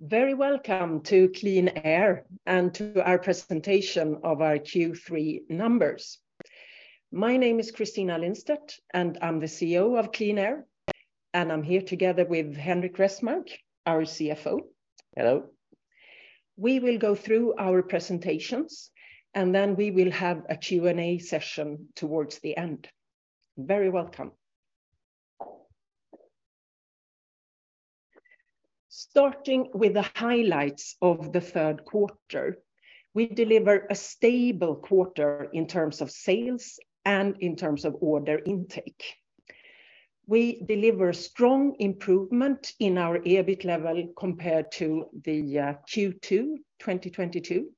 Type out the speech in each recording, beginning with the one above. Very welcome to QleanAir and to our presentation of our Q3 numbers. My name is Christina Lindstedt, and I'm the CEO of QleanAir, and I'm here together with Henrik Resmark, our CFO. Hello. We will go through our presentations, and then we will have a Q&A session towards the end. Very welcome. Starting with the highlights of the third quarter, we deliver a stable quarter in terms of sales and in terms of order intake. We deliver strong improvement in our EBIT level compared to the Q2 2022,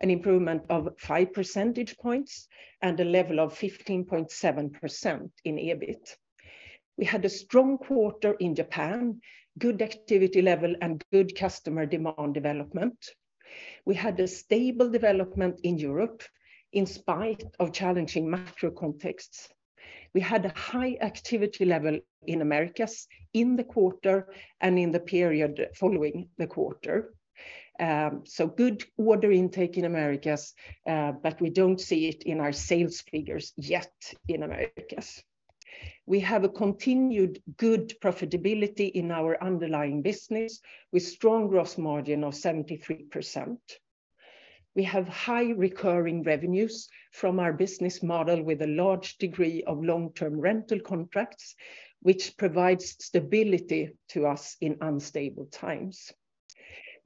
an improvement of five percentage points and a level of 15.7% in EBIT. We had a strong quarter in Japan, good activity level, and good customer demand development. We had a stable development in Europe in spite of challenging macro contexts. We had a high activity level in Americas in the quarter and in the period following the quarter. Good order intake in Americas, but we don't see it in our sales figures yet in Americas. We have a continued good profitability in our underlying business with strong gross margin of 73%. We have high recurring revenues from our business model with a large degree of long-term rental contracts, which provides stability to us in unstable times.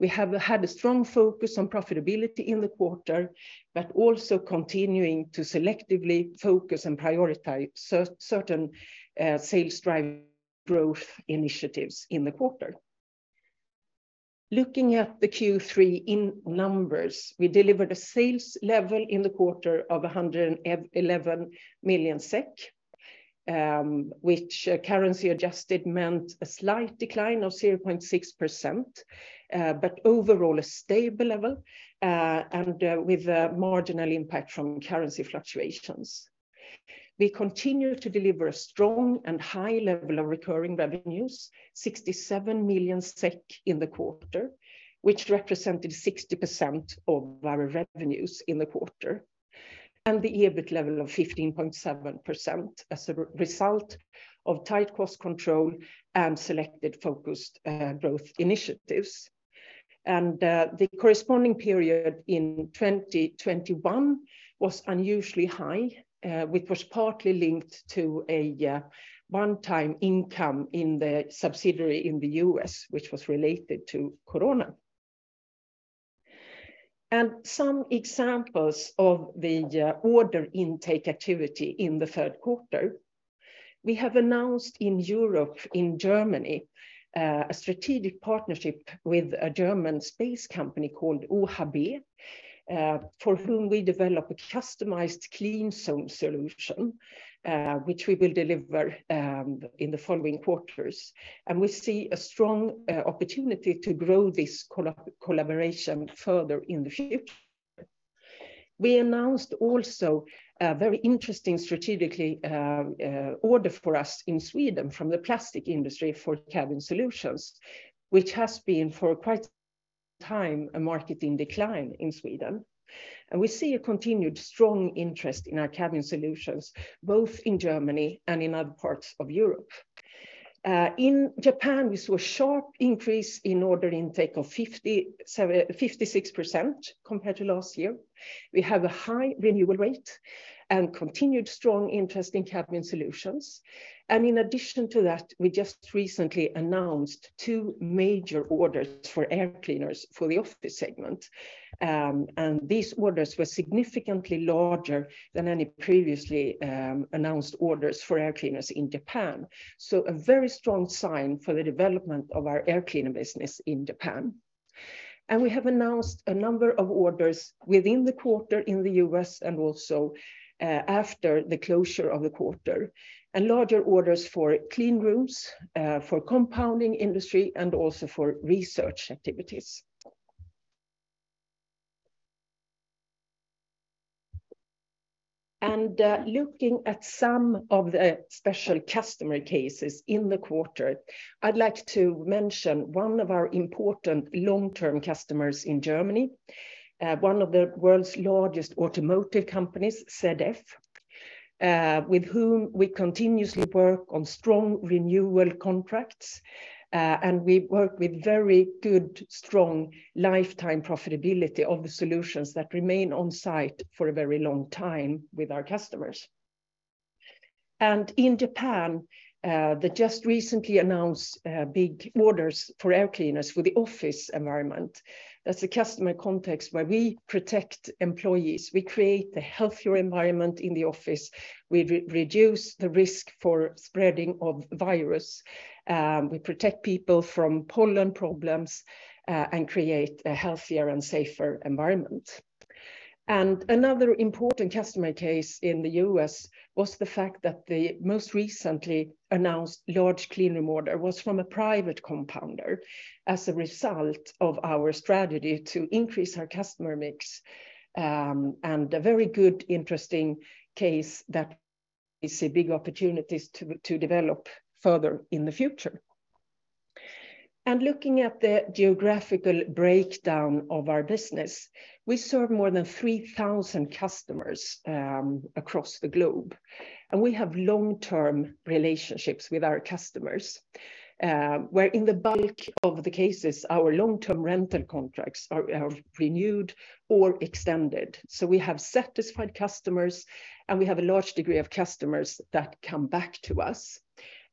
We have had a strong focus on profitability in the quarter but also continuing to selectively focus and prioritize certain sales drive growth initiatives in the quarter. Looking at the Q3 in numbers, we delivered a sales level in the quarter of 111 million SEK, which, currency adjusted meant a slight decline of 0.6%, but overall a stable level, and with a marginal impact from currency fluctuations. We continue to deliver a strong and high level of recurring revenues, 67 million SEK in the quarter, which represented 60% of our revenues in the quarter, and the EBIT level of 15.7% as a result of tight cost control and selected focused growth initiatives. The corresponding period in 2021 was unusually high, which was partly linked to a one-time income in the subsidiary in the U.S., which was related to Corona. Some examples of the order intake activity in the third quarter, we have announced in Europe, in Germany, a strategic partnership with a German space company called OHB, for whom we develop a customized clean zone solution, which we will deliver in the following quarters. We see a strong opportunity to grow this collaboration further in the future. We announced also a very interesting strategically order for us in Sweden from the plastic industry for Cabin Solutions, which has been for quite some time a market in decline in Sweden. We see a continued strong interest in our Cabin Solutions, both in Germany and in other parts of Europe. In Japan, we saw a sharp increase in order intake of 56% compared to last year. We have a high renewal rate and continued strong interest in Cabin Solutions. In addition to that, we just recently announced two major orders for Air Cleaners for the office segment. These orders were significantly larger than any previously announced orders for Air Cleaners in Japan, so a very strong sign for the development of our Air Cleaners business in Japan. We have announced a number of orders within the quarter in the U.S. and also, after the closure of the quarter, and larger orders for cleanrooms, for compounding industry, and also for research activities. Looking at some of the special customer cases in the quarter, I'd like to mention one of our important long-term customers in Germany, one of the world's largest automotive companies, ZF, with whom we continuously work on strong renewal contracts, and we work with very good, strong lifetime profitability of the solutions that remain on site for a very long time with our customers. In Japan, they just recently announced, big orders for air cleaners for the office environment. That's a customer context where we protect employees. We create a healthier environment in the office. We reduce the risk for spreading of virus. We protect people from pollen problems and create a healthier and safer environment. Another important customer case in the U.S. was the fact that the most recently announced large cleanroom order was from a private compounder as a result of our strategy to increase our customer mix, and a very good, interesting case that. It's a big opportunity to develop further in the future. Looking at the geographical breakdown of our business, we serve more than 3,000 customers across the globe, and we have long-term relationships with our customers, where in the bulk of the cases, our long-term rental contracts are renewed or extended. We have satisfied customers, and we have a large degree of customers that come back to us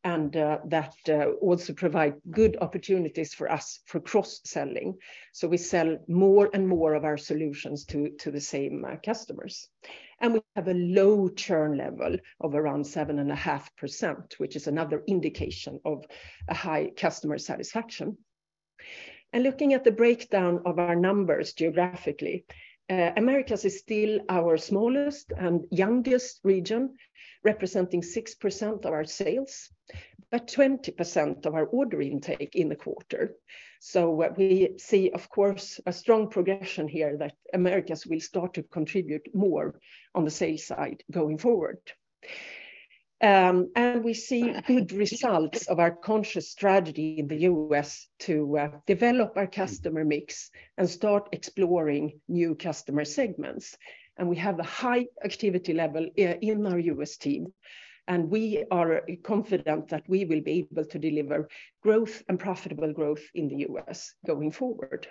and that also provide good opportunities for us for cross-selling. We sell more and more of our solutions to the same customers. We have a low churn level of around 7.5%, which is another indication of a high customer satisfaction. Looking at the breakdown of our numbers geographically, Americas is still our smallest and youngest region, representing 6% of our sales, but 20% of our order intake in the quarter. What we see, of course, a strong progression here that Americas will start to contribute more on the sales side going forward. We see good results of our conscious strategy in the U.S. to develop our customer mix and start exploring new customer segments. We have a high activity level in our U.S. team, and we are confident that we will be able to deliver growth and profitable growth in the U.S. going forward.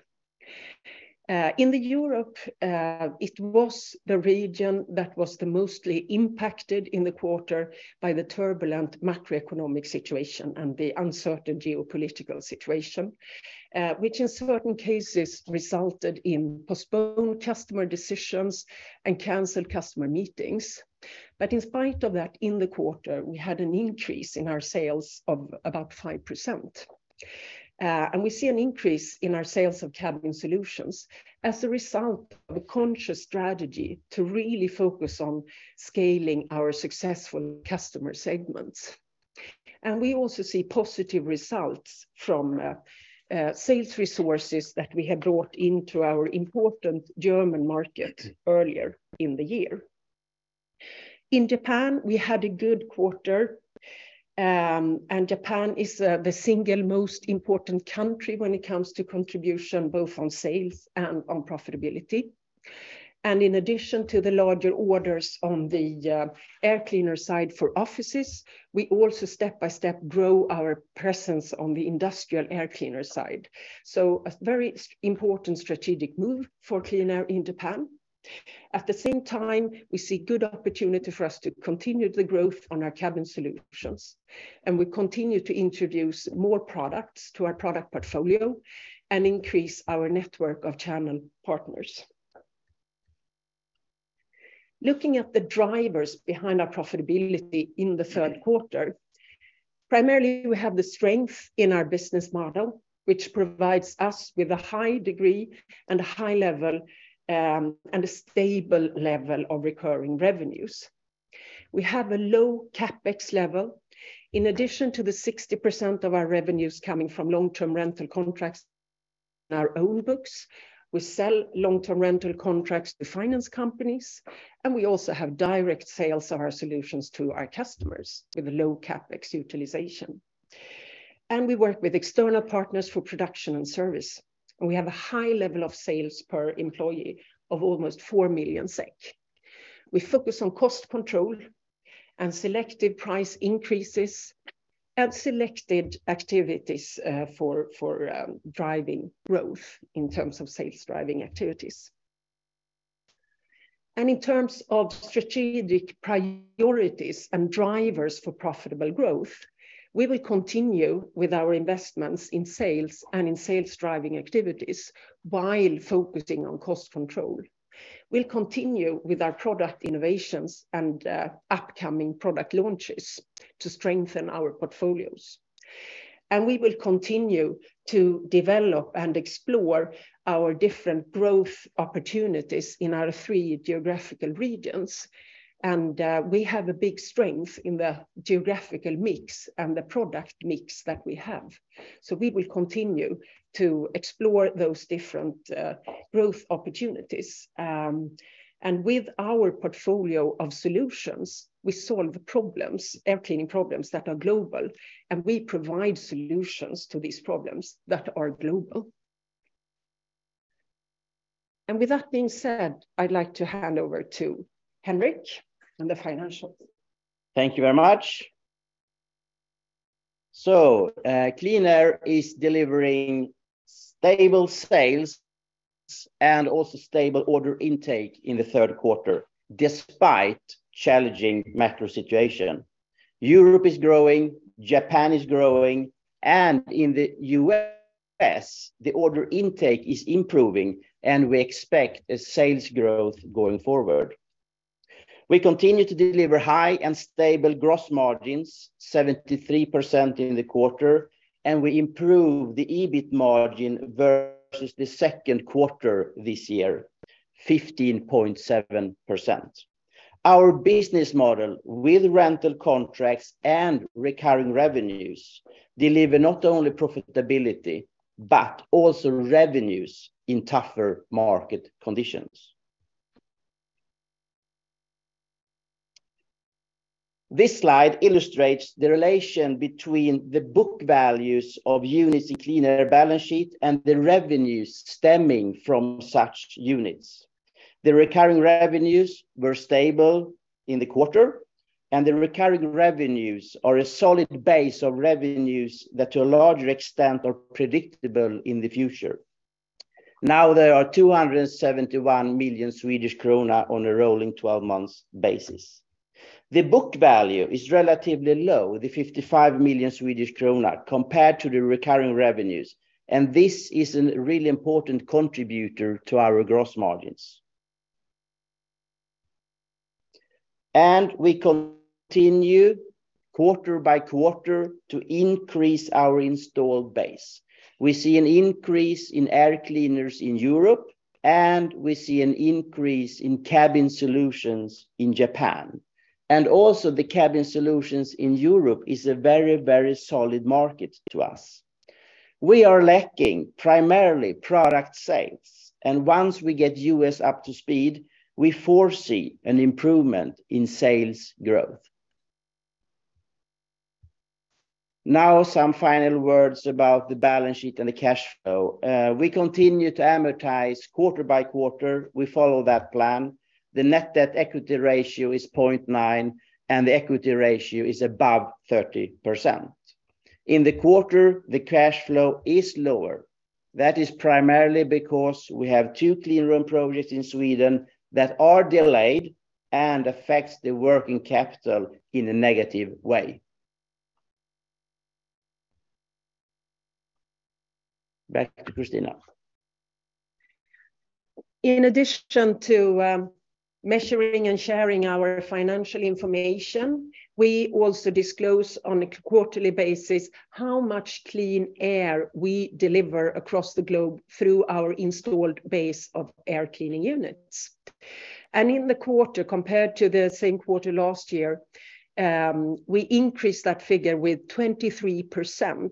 In Europe, it was the region that was the most impacted in the quarter by the turbulent macroeconomic situation and the uncertain geopolitical situation, which in certain cases resulted in postponed customer decisions and canceled customer meetings. In spite of that, in the quarter, we had an increase in our sales of about 5%. We see an increase in our sales of Cabin Solutions as a result of a conscious strategy to really focus on scaling our successful customer segments. We also see positive results from sales resources that we had brought into our important German market earlier in the year. In Japan, we had a good quarter, and Japan is the single most important country when it comes to contribution, both on sales and on profitability. In addition to the larger orders on the air cleaner side for offices, we also step-by-step grow our presence on the industrial air cleaner side. A very important strategic move for QleanAir in Japan. At the same time, we see good opportunity for us to continue the growth on our Cabin Solutions, and we continue to introduce more products to our product portfolio and increase our network of channel partners. Looking at the drivers behind our profitability in the third quarter, primarily, we have the strength in our business model, which provides us with a high degree and a high level and a stable level of recurring revenues. We have a low CapEx level. In addition to the 60% of our revenues coming from long-term rental contracts in our own books, we sell long-term rental contracts to finance companies, and we also have direct sales of our solutions to our customers with low CapEx utilization. We work with external partners for production and service, and we have a high level of sales per employee of almost 4 million SEK. We focus on cost control and selective price increases and selected activities for driving growth in terms of sales-driving activities. In terms of strategic priorities and drivers for profitable growth, we will continue with our investments in sales and in sales-driving activities while focusing on cost control. We'll continue with our product innovations and upcoming product launches to strengthen our portfolios. We will continue to develop and explore our different growth opportunities in our three geographical regions. We have a big strength in the geographical mix and the product mix that we have. We will continue to explore those different growth opportunities. With our portfolio of solutions, we solve problems, air cleaning problems that are global, and we provide solutions to these problems that are global. With that being said, I'd like to hand over to Henrik and the financials. Thank you very much. QleanAir is delivering stable sales and also stable order intake in the third quarter, despite challenging macro situation. Europe is growing, Japan is growing, and in the U.S., the order intake is improving, and we expect a sales growth going forward. We continue to deliver high and stable gross margins, 73% in the quarter, and we improve the EBIT margin versus the second quarter this year, 15.7%. Our business model with rental contracts and recurring revenues deliver not only profitability, but also revenues in tougher market conditions. This slide illustrates the relation between the book values of units in QleanAir balance sheet and the revenues stemming from such units. The recurring revenues were stable in the quarter, and the recurring revenues are a solid base of revenues that to a larger extent are predictable in the future. Now there are 271 million Swedish krona on a rolling 12 months basis. The book value is relatively low, 55 million Swedish kronor compared to the recurring revenues, and this is a really important contributor to our gross margins. We continue quarter by quarter to increase our installed base. We see an increase in air cleaners in Europe, and we see an increase in cabin solutions in Japan. Also the cabin solutions in Europe is a very, very solid market to us. We are lacking primarily product sales. Once we get U.S. up to speed, we foresee an improvement in sales growth. Now some final words about the balance sheet and the cash flow. We continue to amortize quarter by quarter. We follow that plan. The net debt to equity ratio is 0.9, and the equity ratio is above 30%. In the quarter, the cash flow is lower. That is primarily because we have two cleanroom projects in Sweden that are delayed and affects the working capital in a negative way. Back to Christina. In addition to measuring and sharing our financial information, we also disclose on a quarterly basis how much clean air we deliver across the globe through our installed base of air cleaning units. In the quarter, compared to the same quarter last year, we increased that figure with 23%,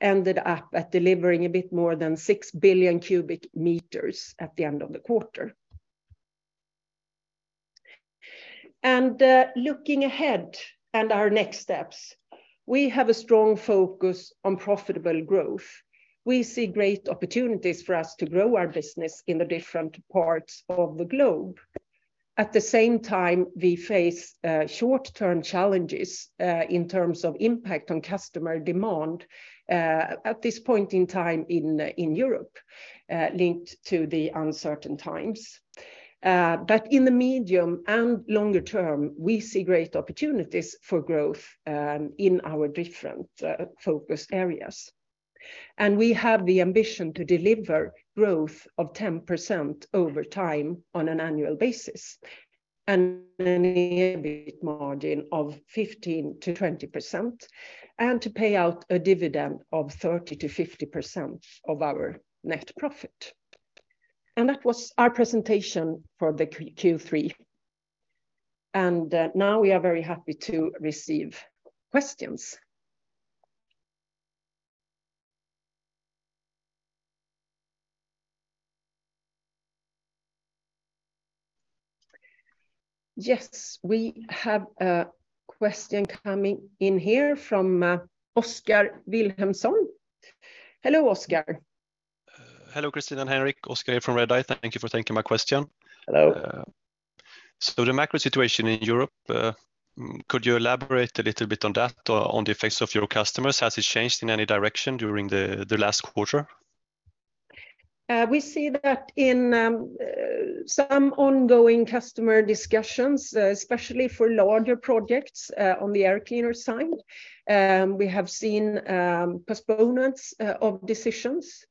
ended up at delivering a bit more than 6 billion cubic meters at the end of the quarter. Looking ahead at our next steps, we have a strong focus on profitable growth. We see great opportunities for us to grow our business in the different parts of the globe. At the same time, we face short-term challenges in terms of impact on customer demand at this point in time in Europe linked to the uncertain times. In the medium and longer term, we see great opportunities for growth in our different focus areas. We have the ambition to deliver growth of 10% over time on an annual basis, and an EBIT margin of 15%-20%, and to pay out a dividend of 30%-50% of our net profit. That was our presentation for the Q3. Now we are very happy to receive questions. Yes, we have a question coming in here from Oskar Vilhelmsson. Hello, Oskar. Hello, Christina and Henrik. Oskar here from Redeye. Thank you for taking my question. Hello. The macro situation in Europe, could you elaborate a little bit on that, on the effects on your customers? Has it changed in any direction during the last quarter? We see that in some ongoing customer discussions, especially for larger projects, on the Air Cleaner side. We have seen postponements of decisions.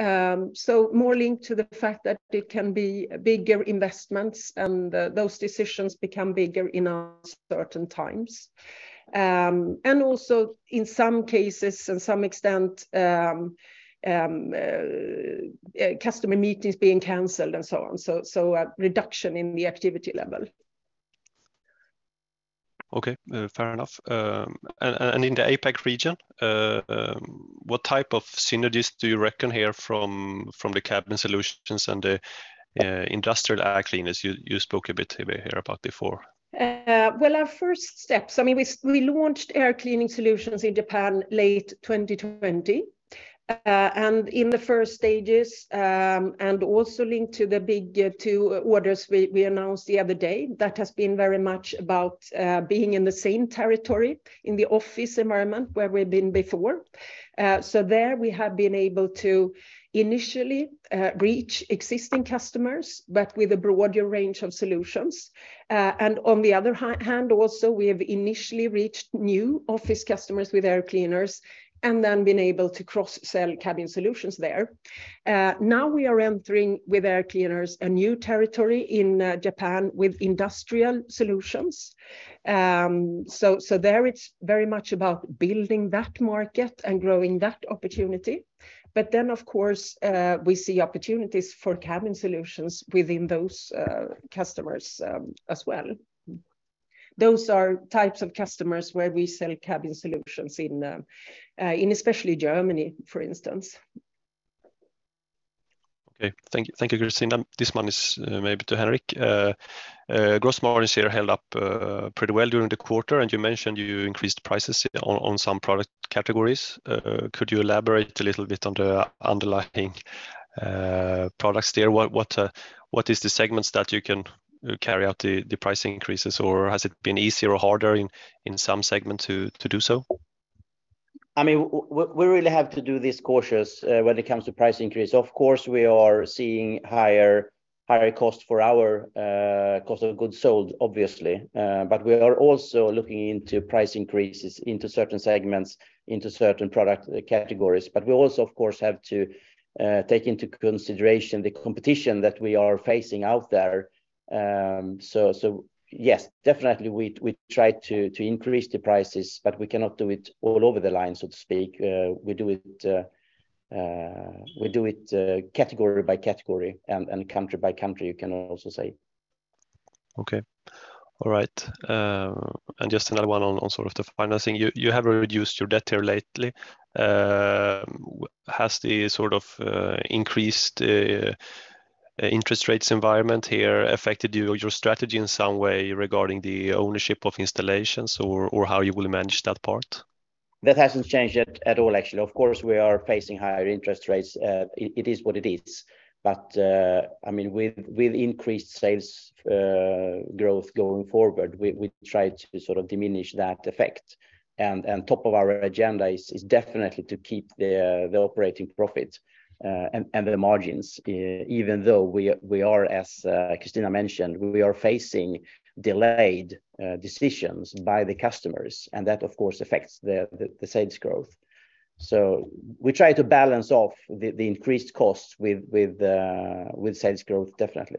More linked to the fact that it can be bigger investments and those decisions become bigger in uncertain times. Also in some cases to some extent, customer meetings being canceled and so on. A reduction in the activity level. Okay, fair enough. In the APAC region, what type of synergies do you reckon here from the Cabin Solutions and the industrial Air Cleaners you spoke a bit here about before? Well, our first steps, I mean, we launched air cleaning solutions in Japan late 2020. In the first stages, also linked to the big two orders we announced the other day, that has been very much about being in the same territory in the office environment where we've been before. There we have been able to initially reach existing customers, but with a broader range of solutions. On the other hand also, we have initially reached new office customers with air cleaners and then been able to cross-sell cabin solutions there. Now we are entering with air cleaners a new territory in Japan with industrial solutions. So there it's very much about building that market and growing that opportunity. Of course, we see opportunities for Cabin Solutions within those customers as well. Those are types of customers where we sell Cabin Solutions in especially Germany, for instance. Okay. Thank you. Thank you, Christina. This one is maybe to Henrik. Gross margins here held up pretty well during the quarter, and you mentioned you increased prices on some product categories. Could you elaborate a little bit on the underlying products there? What is the segments that you can carry out the price increases or has it been easier or harder in some segment to do so? I mean, we really have to do this cautiously when it comes to price increase. Of course, we are seeing higher cost for our cost of goods sold, obviously. We are also looking into price increases in certain segments, in certain product categories. We also, of course, have to take into consideration the competition that we are facing out there. Yes, definitely we try to increase the prices, but we cannot do it across the board, so to speak. We do it category by category and country by country, you can also say. Just another one on sort of the financing. You have reduced your debt here lately. Has the sort of increased interest rates environment here affected you or your strategy in some way regarding the ownership of installations or how you will manage that part? That hasn't changed at all actually. Of course, we are facing higher interest rates. It is what it is. I mean, with increased sales growth going forward, we try to sort of diminish that effect. Top of our agenda is definitely to keep the operating profit and the margins even though we are, as Christina mentioned, we are facing delayed decisions by the customers, and that of course affects the sales growth. We try to balance off the increased costs with sales growth, definitely.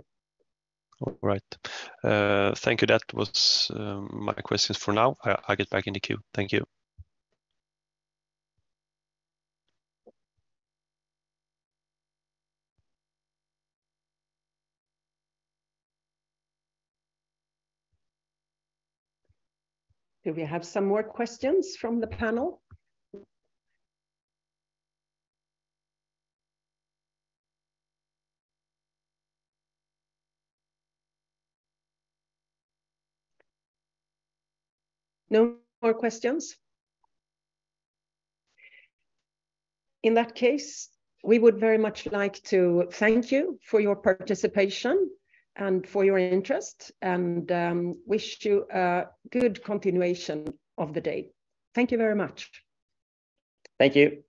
All right. Thank you. That was my questions for now. I get back in the queue. Thank you. Do we have some more questions from the panel? No more questions? In that case, we would very much like to thank you for your participation and for your interest, and wish you a good continuation of the day. Thank you very much. Thank you.